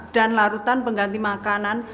dan larutan pengganti makanan